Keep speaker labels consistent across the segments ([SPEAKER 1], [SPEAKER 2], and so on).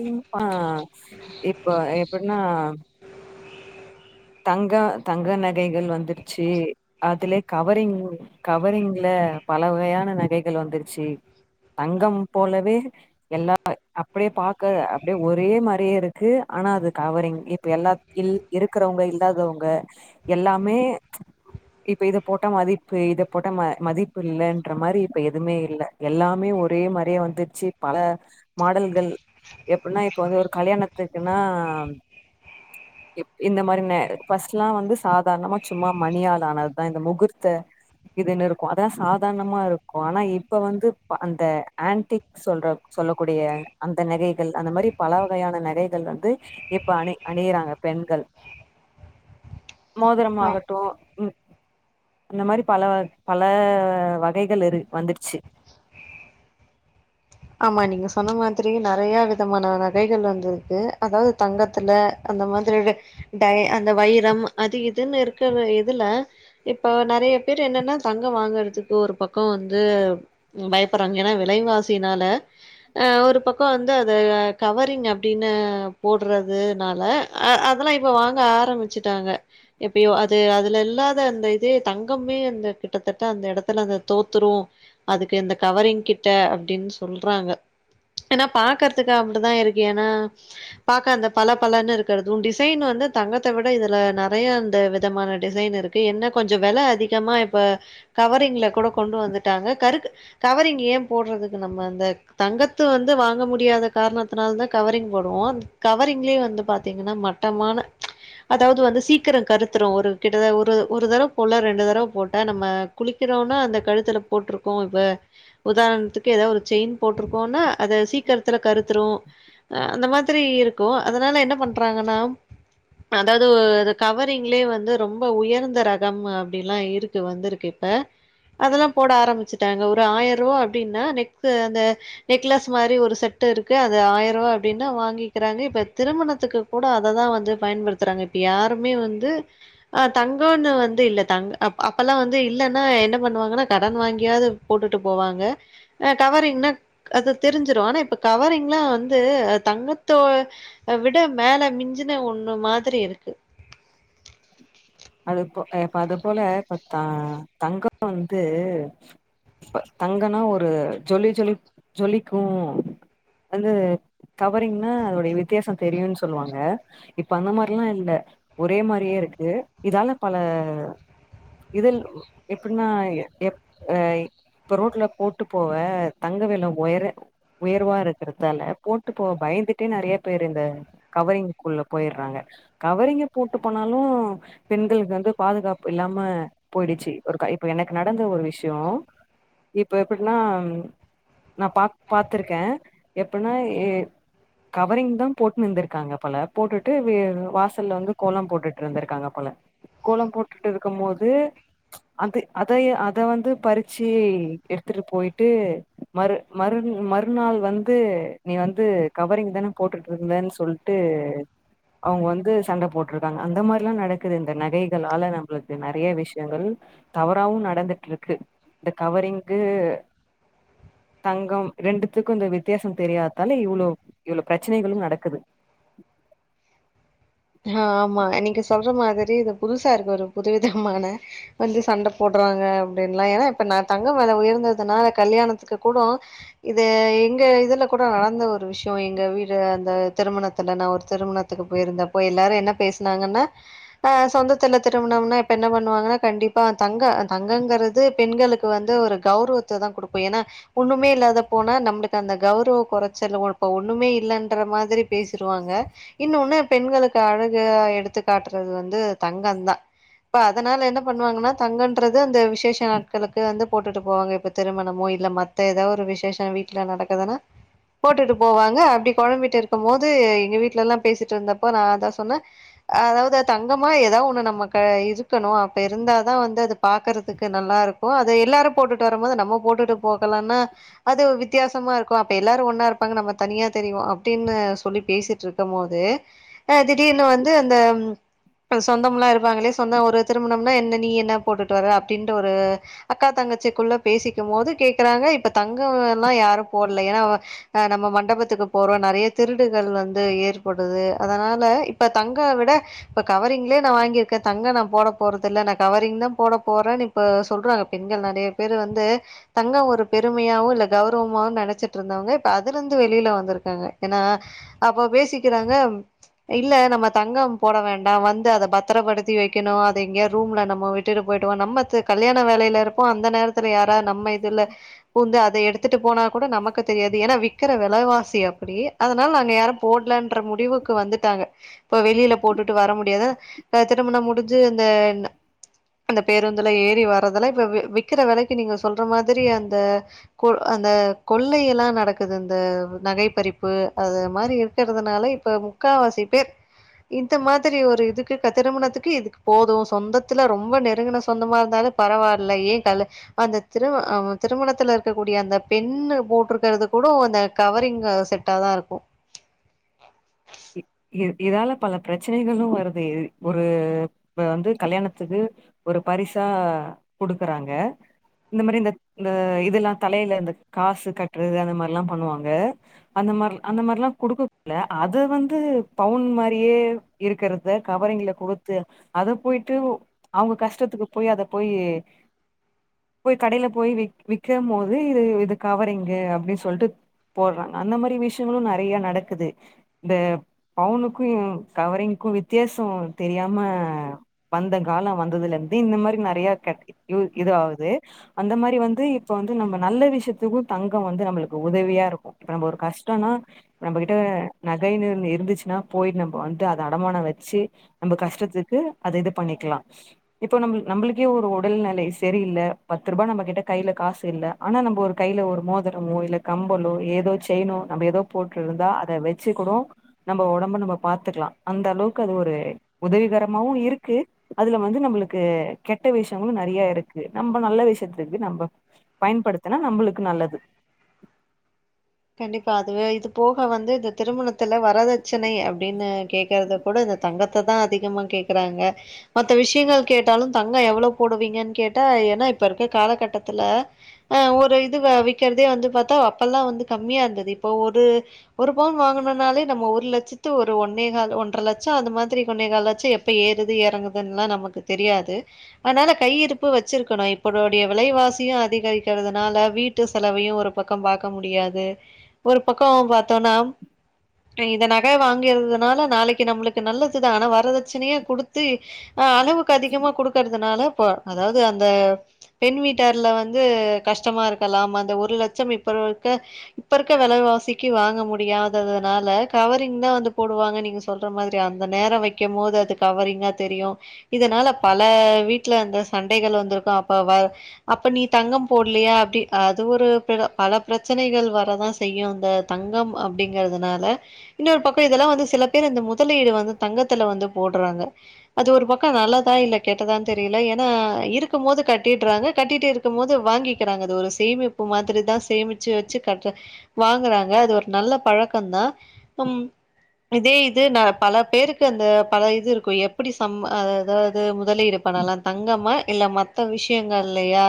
[SPEAKER 1] இன் ஆ இப்ப எப்பின்னா தங்க தங்க நகைகள் வந்துருச்சு அதுல கவரிங் கவரிங்ல பல வகையான நகைகள் வந்துருச்சி தங்கம் போலவே எல்லா அப்டியே பாக்க அப்டியே ஒரே மாதிரியேருக்கு ஆனா அது கவரிங் இப்ப எல்லா இல் இருக்றவங்க இல்லாதவங்க எல்லாமே இப்ப இத போட்ட மதிப்பு இத போட்ட அ மதிப்பு இல்லன்ற மாரி இப்ப எதுமே இல்ல எல்லாமே ஒரே மாரியே வந்துருச்சு பல மாடல்கள் எப்டினா இப்ப வந்து ஒரு கல்யாணத்துக்குன்னா இந்த மாரி ல ஃபர்ஸ்ட்லா வந்து சாதாரணமா சும்மா மணியால் ஆனதுதா இந்த முகூர்த்த இதுன்னு இருக்கு அதா சாதாரணமாருக்கு ஆனா இப்ப வந்து ப அந்த ஆன்டிக் சொல்ற சொல்லக்கூடிய அந்த நகைகள் அந்த மாரி பல வகையான நகைகள் வந்து இப்ப அணி அணியிறாங்க பெண்கள் மோதிரம்
[SPEAKER 2] ஆ
[SPEAKER 1] ஆகட்டு ம் இந்த மாதிரி பல பல வகைகள் இரு வந்துடுச்சு
[SPEAKER 2] ஆமா நீங்க சொன்ன மாதிரி நெறைய விதமான நகைகள் வந்திருக்கு அதாவது தங்கத்துல அந்த மாதிரி இது அந்த வைரம் அது இதுன்னு இருக்கிற இதுல இப்ப நெறைய பேர் என்னன்னா தங்கம் வாங்கறதுக்கு ஒரு பக்கோ வந்து பயப்பட்றாங்க ஏனா விலைவாசினால அ ஒரு பக்கம் வந்து அத கவரிங் அப்படின்னு போடுறதுனால அ அதெல்லாம் இப்ப வாங்க ஆரம்பிச்சுட்டாங்க எப்பயோ அது அதுல இல்லாத அந்த இதே தங்கமே வந்து கிட்டத்தட்ட அந்த இடத்துல அது தோத்துரு அதுக்கு இந்த கவரிங் கிட்ட அப்டின்னு சொல்றாங்க ஏனா பாக்றதுக்கு அப்டிதா இருக்கு ஏனா பாக்க அந்த பள பளன்னு இருக்கிறது டிசைன் வந்து தங்கத்த விட இதுல நிறைய அந்த விதமான டிசைன் இருக் என்ன கொஞ்சோ வெல அதிகமா இப்ப கவரிங்ல கூட கொண்டு வந்துட்டாங்க கருக் கவரிங் ஏ போடுறதுக்கு நம்ம இந்த தங்கத்த வந்து வாங்க முடியாத காரணத்தினால தா கவரிங் போடுவோ கவரிங்லே வந்து பாத்தீங்கன்னா மட்டமான அதாவது வந்து சீக்கிரோ கருத்துரு ஒரு கிட்டத ஒரு ஒரு தடவ போட்ல ரெண்டு தடவ போட்டா நம்ம குளிக்கிறோனா அந்த கழுத்துல போட்ருக்கோ இத உதாரணத்துக்கு ஏதாவது செயின் போட்டிருக்கோன்னா அது சீக்கிரத்துல கருத்துரு அந்த மாதிரி இருக்கு அதனால என்ன பண்றாங்கன்னா அதாவது கவரிங்லயே வந்து ரொம்ப உயர்ந்த ரகம் அப்டிலா இருக்கு வந்திருக்கு அ அதெல்லாம் போட ஆரம்பிச்சுட்டாங்க ஒரு ஆயிர ரூபா அப்படின்னா நெக் அந்த நெக்லஸ் மாரி ஒரு செட்டுருக்கு அது ஆயிர ரூபா அப்டின்னா வாங்கிக்கிறாங்க இப்ப திருமணத்துக்கு கூட அததா வந்து பயன்படுத்துறாங்க இப்ப யாருமே வந்து ஆ தங்கம்ன்னு வந்து இல்ல தங்க அப் அப்பல்லா வந்து இல்லன்னா என்ன பண்ணுவாங்கன்னா கடன் வாங்கியாது போட்டுட்டு போவாங்க ஆ கவரிங்னா அது தெரிஞ்சுரு ஆனா இப்ப கவரிங்லா வந்து அது தங்கத்தோ விட மேல மிஞ்சின ஒண்ணு மாதிரி இருக்கு
[SPEAKER 1] அது இப்ப இப்போ அது போல இப்போ த தங்கம் வந்து இப்ப தங்கன்னா ஒரு ஜொலி ஜொலிக் ஜொலிக்கு வந்து கவரிங்ன்னா அதோடய வித்தியாசம் தெரியுன்னு சொல்லுவாங்க இப்ப அந்த மாதிரில்லா இல்ல ஒரே மாரி அப்டியேருக்கு இதால பல இதில் எப்ட்னா எப் அ இப்ப ரோட்ல போட்டு போவ தங்க வெல ஒயர உயர்வா இருக்கிறதுதால போட்டு போ பயந்துட்டே நெறைய பேர் இந்த கவரிங்குல்ல போய்றாங்க கவரிங்க போட்டு போனாலும் பெண்களுக்கு வந்து பாதுகாப்பு இல்லாம போயிடுச்சு ஒருக்கா இப்ப எனக்கு நடந்த ஒரு விஷயம் இப்போ எப்டினா நா பா பாத்ருக்கே எப்டின்னா எ கவரிங் தா போட்ன்னு இந்துருக்காங்க போல போட்டுட்டு வே வாசல்ல வந்து கோலம் போ ட்ரு இருந்துருக்காங்க போல கோலம் போட்டுட்டு இருக்கும் போது அந்த அதய அத வந்து பறிச்சி எடுத்துட்டு போயிட்டு மறு மறுந் மறுநாள் வந்து நீ வந்து கவரிங் தான போட்டுட்டு இருந்தன் சொல் ட்டு அவுங்க வந்து சண்ட போட்ருக் பாங்க அந்த மாரிலா நடக்குது இந்த நகைகள்ளாள நம்ளுக்கு நெறைய விஷ்யங்கள் தவறாவும் நடந்துட்ருக்கு இந்த கவரிங்கு தங்கம் ரெண்டுத்துக்கு இந்த வித்தியாசோ தெரியாததால இவ்ளோ இவ்ளோ பிரச்சனைகளு நடக்குது
[SPEAKER 2] ஆமா நீங்க சொல்ற மாதிரி இது புதுசா இருக்கு ஒரு புதுவிதமான வந்து சண்ட போட்றாங்க அப்டின்லா ஏன்னா இப்ப நா தங்க வெல உயர்ந்ததுனால கல்யாணத்துக்கு கூட இது எங்க இதுல கூட நடந்த ஒரு விஷ்யோ எங்க வீடு அந்த திருமணத்துல நா ஒரு திருமண த்துக்கு போயிருந்தப்போ எல்லாரு என்ன பேசுனாங்கன்னா ஆ சொந்தத்துல திருமணம்னா இப்ப என்ன பண்ணுவாங்கன்னா கண்டிப்பா தங்க ஆ தங்கங்குறது பெண்களுக்கு வந்து ஒரு கௌரவத்த தா குடுக்கு ஏனா ஒன்னுமே இல்லாத போனா நம்ளுக்கு அந்த கௌரவ கொறைச்சல் ஒ இப்ப ஒன்னுமே இல்லன்ற மாதிரி பேசிருவாங்க இன்னொன்னு பெண்களுக்கு அழகு எடுத்து காட்றது வந்து தங்கந்தா இப்ப அதனால என்ன பண்ணுவாங்கன்னா தங்கன்றது அந்த விசேஷ நாட்களுக்கு வந்து போட்டுட்டு போவாங்க இப்ப திருமணமோ இல்ல மத்த ஏதோ ஒரு விசேஷோ வீட்ல நடக்குதுன்னா போட்டுட்டு போவாங்க அப்டி கொழம்பிட்டு இருக்கும் போது எங்க வீட்லல்லா பேசிட் இருந்தப்போ நா தா சொன்னே அதாவது தங்கமா ஏதோ ஒன்னு நம்மக்கு இருக்கணு அப்ப இருந்தாதா வந்து அது பாக்கறதுக்கு நல்லா இருக் இப்போ அது எல்லாரு போட்டுட்டு வரும்போது நம்ம போட்டுட்டு போகலன்னா அது வித் வித்தியாசமா இருக்கு அப்ப எல்லாரு ஒன்னா இருப்பாங்க நம்ம தனியா தெரிவோ அப்டின்னு சொல்லி பேசிட்ருக்கும் போது அ திடீர்னு வந்து அந்த ம் சொந்தம்லா இருப்பாங்கள்யா சொந்தோ ஒரு திருமணம்னா என்ன நீ என்ன போட்டுட்டு வர அப்டின்ற ஒரு அக்கா தங்கச்சிக்குள்ள பேசிக்கும் போது கேக்குறாங்க இப்ப தங்கம்லா யாரு போட்ல ஏனா அ நம்ம மண்டபத்துக்கு போறோ நெறைய திருடுகள் வந்து ஏற்படுது அதனால இப்ப தங்க விட இப்ப கவரிங்லே நா வாங்கி இருக்கே தங்கோ நா போட போறதில்ல நா கவரிங் தா போட போறேனு இப்போ சொல்றாங்க பெண்கள் நெறைய பேரு வந்து தங்கம் ஒரு பெருமையாவு இல்ல கௌரவமாவு நெனைச்சிட்டு இருந்தவங்க இப்ப அதுல இருந்து வெளில வந்திருக்காங்க ஏனா அப்போ பேசிக்கிறாங்க ம் இல்ல நம்ம தங்கம் போட வேண்டா வந்து அத பத்தரப்படுத்தி வைக்கணு அத எங்கயோ ரூம்ல நம்ம வி திருடு போயிருவான் நம்ம கல்யாண வேலையில இருப்போ அந்த நேரத் தில யாரா நம்ம இதுல பூந்து அத எடுத்துட்டு போனா கூட நமக்கு தெரியாது ஏனா வி விக்கிற விலைவாசி அப்படி அதனால நாங்க யாரும் போடலன்ற முடிவுக்கு இப்ப வந்துட்டாங்க இப்ப வெளியில போட்டுட்டு வர முடியாத திருமண முடிஞ்சு அந்த அந்த பேருந்துல ஏறி வர்றதல்லா இப்ப விக்கிற வெலைக்கு நீங்க சொல்ற மாதிரி அந்த கொ அந்த கொள்ளையல்லா நடக்குது இந்த நகை பறிப்பு அது மாதிரி இரு இருக்கிறதுனால இப்ப முக்கா வாசி பேர் இந்த மாதிரி ஒரு இதுக்கு க திருமணத்துக்கு இதுக்கு போது சொந்தத்துல ரொம்ப நெருங்கின சொந்தமா இருந்தாலு பரவால்ல ஏ கலு அந்த திரு அ திருமணத்துல இருக்கக்கூடிய அந்த பெண்ணு போட்ருக்கிறது கூடோ அந்த கவரிங்கு செட் டாதா இருக்கு
[SPEAKER 1] இ இ இதால பல பிரச்சனைகளு வருது ஒரு வந்து கல்யாணத்துக்கு ஒரு பரிசா குடுக்குறாங்க இந்த மாரி இந்த இந்த இதல்லா தலையில இந்த காசு கட்டுறது அந்த மாரில்லா பண்ணுவாங்க அந்த மார் அந்த மார்ல்லா குடுக்ககுள்ள அது அது வந்து பவுன் மாரியே இருக்குறத கவரிங்ல குடுத்து அத போயிட்டு அவங்க கஷ்டத்துக்கு போய் அத போயி போய் கடையில போய் வி விக்கும் போது இது இது கவரிங்கு அப்படின்னு சொல்லிட்டு போடுறாங்க அந்த மாரி விஷியங்களு நறையா நடக்குது இந்த பவுனுக்கும் கவரிங்குக்கும் வித்தியாச தெரியாம வந்தங்காலோ வந்ததுல இருந்து இந்த மாதிரி நெறையா க இது ஆகுது அந்த மாரி வந்து இப்ப வந்து நம்ம நல்ல விஷியத்துக்கு தங்கம் வந்து நம்மளுக்கு உதவியா இருக்கு இப்ப நம்ம ஒரு கஷ்டம்னா நம்மகிட்ட நகைனு ஒன்னு இருந்துச்சுன்னா போயிட்டு நம்ம வந்து அத அடமானம் வெச்சு நம்ப கஷ்டத்துக்கு அத இது பண்ணிக்கலா இப்போ நம் நம்பமளுக்கே ஒரு உடல் நிலை சரியில்ல பத்து ரூபாய் நம்ம கிட்ட கையில காசு இல்ல ஆனா நம்ப ஒரு கையில ஒரு மோதரமோ இல்ல கம்பலோ ஏதோ செயினோ நம்ப ஏதோ போட்டு இருந்தா அத வ வச்சுக் கூடோ நம்ம ஒடம்ப நம்ம பாத்துக்கலா அந்த அளவுக்கு அது ஒரு உதவிகரமாவு இருக்கு அதுல வந்து நம்மளுக்கு கெட்ட விஷயங்களு நெறைய இருக்கு நம்ம நல்ல விஷயத்துக்கு நம்ப பயன்படுத்துனா நம்மளுக்கு நல்லது
[SPEAKER 2] கண்டிப்பா அதுவே இது போக வந்து இந்த திருமண த்துல வரதட்சணை அப்படின்னு கேட்கறத கூட இந்த தங்கத்தை தா அதிகமா கேக்குறாங்க மத்த விஷியங்கள் கேட்டாலு தங்க எவ்வளவு போடுவீங்கன்னு கேட்டா ஏன்னா இப்ப இருக்க காலகட்டத்துல ஆ ஒரு இது விக்கிறதே வந்து பாத்தா அப்பெல்லா வந்து கம்மியா இருந்தது இப்போ ஒரு ஒரு பவுண் வாங்கனுனாலே நம்ம ஒரு லட்சத்து ஒரு ஒன்னே கால் ஒன்றரை லட்சோ அந்த மாதிரி ஒன்னே கால் லட்சோ எ இப்ப ஏறுது இறங்குதுன்னுல்லா நமக்கு தெரியாது அதனால கையிருப்பு வச்சிருக்கணு இப்போடைய விலைவாசியு அதிகரிக்கிறதுனால வீட்டு வீட்டு செலவையு ஒரு பக்கோ பாக்க முடியாது ஒரு பக்கோ பாத்தோனா இந்த நகை வாங்கறதுனால நாளைக்கு நம்மளுக்கு நல்லதுதா ஆனா வரதட்சணையா குடுத்து அ அளவுக்கு அதிகமா குடுக்கறதுனால இப்ப அதாவது அந்த பெண் வீட்டார்ல வந்து கஷ்டமா இருக்கலாம் அந்த ஒரு லட்சம் இப்ப இருக்க இப்ப இருக்க வெலைவாசிக்கு வாங்க முடியாததுனால கவரிங் தா வந்து போடுவாங்க நீங்க சொல்ற மாதிரி அந்த நேரம் வைக்கும் போது அது கவரிங்கா தெரியு இதனால பல வீட்டுல அந்த சண்டைகள் வந்திருக்கு அப்ப வ அப்ப நீ தங்கம் போடலயா அப்டி அது ஒரு பல பிரச்சனைகள் வர தா செய்யு இந்த தங்கம் அப்டிங்கறதுனால இன்னொரு பக்க இதெல்லா வந்து சில பேர் இந்த முதலீடு வந்து தங்கத்துல வந்து போடுறாங்க அது ஒரு பக்க நல்லதா இல்ல கேட்டதா தெரில ஏன்னா இருக்கும் போது கட்டிடுறாங்க கட்டிட்டு இரு கும் போது வாங்கிக்கிறாங்க அது ஒரு சேமிப்பு மாதிரி தா சேமிச்சு வெச்சு கரட்டு வாங்குறாங்க அது ஒரு நல்ல பழக்கம் தா உம் இதே இது ந பல பேருக்கு அந்த பல இது இருக்கு எப்படி சம் அத அதாவது முதலீடு பண்ணலா தங்கமா இல்ல மத்த விஷயங்கள்ளையா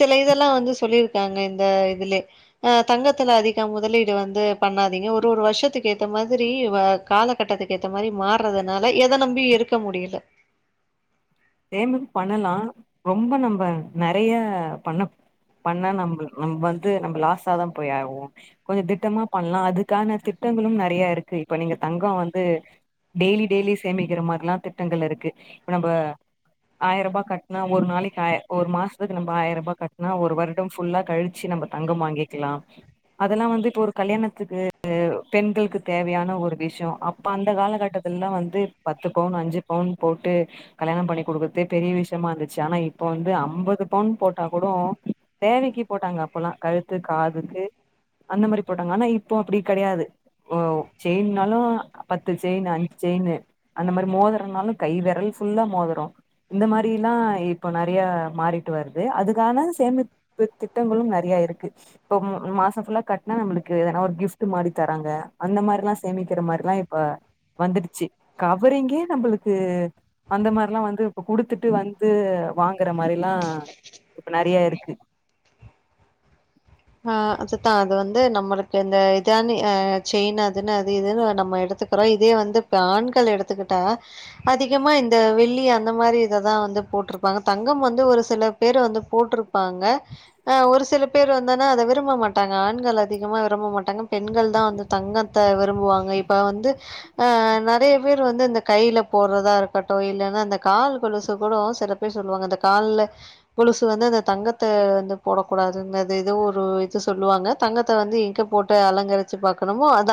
[SPEAKER 2] சில இதெல்லா வந்து சொல்லிருக்காங்க இந்த இதுலே அ தங்கத்துல அதிகம் முதலீடு வந்து பண்ணாதீங்க ஒரு ஒரு வருஷத்துக்கு ஏத்த மாதிரி வ காலகட்டத்துக்கு ஏத்த மாதிரி மாறதுனால எத நம்பியு இருக்க முடியல
[SPEAKER 1] சேமிப்பு பண்ணலா ரொம்ப நம்ப நெறையா பண்ண பண்ணா நம்பளு நம்ம வந்து நம்ம லாஸாதா போய் ஆவோ கொஞ்சு திட்டமா பண்ணலா அதுக்கான திட்டங்களு நறையா இருக்கு இப்ப நீங்க தங்கோ வந்து டெய்லி டெய்லி சேமிக்கிற மாரிலா திட்டங்கள் இருக்கு இப்ப நம்ப ஆயிர ரூபா கட்டுனா ஒரு நாளைக்கு ஆய் ஒரு மாசத்துக்கு நம்ம ஆயிர ரூபா கட்டுனா ஒரு வருடம் ஃபுல்லா கழிச்சு நம்ப தங்கம் வாங்கிக்கலா அதெல்லா வந்து இப்போ ஒரு கல்யாணத்துக்கு பெண்களுக்கு தேவையான ஒரு விஷய இப்ப அந்த காலகட்டத்துல்லா வந்து பத்து பவுன் அஞ்சு பவுன் போட்டு கல்யாணம் பண்ணி குடுக்கர்தே பெரிய விஷ்யமா இந்துச்சு ஆனா இப்ப வந்து அம்பது பவுன் போட்டா கூடோ தேவைக்கு போட்டாங்க அப்புல்லா கழுத்து காதுக்கு அந்த மாரி போட்டாங்க ஆனா இப்போ அப்படி கடையாது ஓ செயின்னாலு பத்து செயினு அஞ்சு செயினு அந்த மாரி மோதறனாலும் கை வெரல் ஃபுல்லா மோதரோம் இந்த மாதிலாம் இப்போ நறைய மாறிட்டு வருது அதுக்கான சேம இப்ப திட்டங்குளு நறிய இருக்கு இப்ப மாச ஃபுல்லா கட்னா நம்புளுக்கு எதனா ஒரு கிஃப்ட் மாரி தராங்க அந்த மார்லா சேமிக்கிற மார்லா இப்ப வந்திடுச்சி கவறிங்கே நம்புளுக்கு அந்த மார்லா வந்து இப்ப குடுத்துட்டு வந்து வாங்கற மாரிலா இப்ப நறைய இருக்கு
[SPEAKER 2] ஆ அம்சுதா அது வந்து நம்மளுக்கு இந்த இதானி ஆ செயின் அதுன்னு அது இதுன்னுல நம்ம எடுத்து அப்புற இதே வந்து இப்ப ஆண்கள் எடுத்துக்கிட்டா அதிகமா இந்த வெள்ளி அந்த மாரி இததா வந்து போட்ருப்பாங்க தங்கம் வந்து ஒரு சில பேரு வந்து போட்ருப் பாங்க ஆ ஒரு சில பேர் வந் இன்னனா அத விரும்ப மாட்டாங்க ஆண்கள் அதிகமா விரும்ப மாட்டாங்க பெண்கள் தா வந்து தங்கத்த விரும்புவாங்க இப் இப்பா வந்து அ நறைய பேர் வந்து இந்த கையில போட்றதா இருக்கட்டும் இல்லன்னா அந்த கால் கொலுசு கூட சிறப் இப்டி சொல்லுவாங்க அந்த கால்ல கொலுசு வந்து அந்த தங்கத்த வந்து போடக்கூடாதுனு த எதோ ஒரு இது சொல்வாங்க தங்கத்த வந்து எங்க போட்டு அலங்கரிச்சு பாகக்கணுமோ அத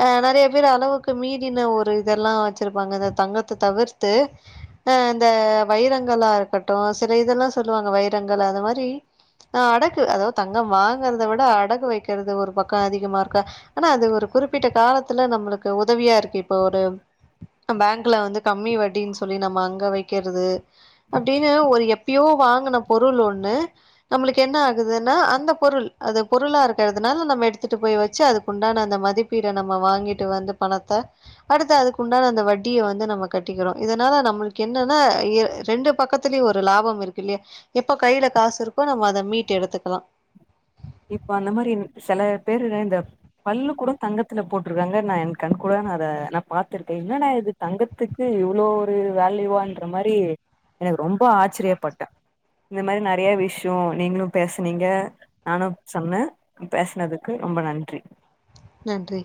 [SPEAKER 2] அ நறைய பேர் அளவுக்கு மீறன ஒரு இதெல்லாம் வச்சிருப்பாங்க இந்த தங்கத்த தவிர்த்து அ இந்த வைரங்களா இருக்கட்டும் சில இதெல்லாம் சொல்லுவாங்க வைரங்கள் அது மாரி ஆ அடகு அதாவ்து தங்கம் வாங்கற்த விட அடகு வெக்கற்து ஒரு பக்க அதிகமா இருக்க ஆனா அது ஒரு குறிப்பிட்ட காலத்துல நம்ளுக்கு உதவியா இருக்கு இப்ப ஒரு ந பேங்க்ல வந்து கம்மி வட்டின் சொல்லி நம்ம அங்க வைக்கறது அப்டினு ஒரு எப்பியோ வாங்கின பொருள் ஒன்னு நம்ளுக்கு என்ன இதுனா அந்த பொருள் அது பொருளா இருக்கிறதுனால நம்ம எடுத்துட்டு போய் வச்சு அதுக்கு உண்டான அந்த மதிப் பீட நம்ம வாங்கிட்டு வந்து பணத்த அடுத்த அதுக்குண்டான அந்த வட்டிய வந்து நம்ம கட்டிக்கிறோ இதனால நம்ளுக் என்னதா எ ரெண்டு பக்கத் திலி ஒரு லாபம் இருக்கு இல்யா எப்ப கைல காசு இருக்கோ நம்ம அத மீட்டு எடுத்துக்லா
[SPEAKER 1] இப்ப அந்த மாரி செல பேருல இந்த பல்லு கூட தங்கத்துல போட்டிருக்காங்க நா என் கண் கூட நா அத நா பாத்துருக்கேன் என்னடா இது தங்கத்துக்கு இவ்ளோ ஒரு வேல்யூவான்ற மாரி எனக் ரொம்ப ஆச்சிரியப்பட்டே இந்த மாரி நறிய விஷ்யோ நீங்ளு பேச்னீங்க நானும் சொன்னே பேச்னதுக்கு ரொம்ப நன்றி
[SPEAKER 2] நன்றி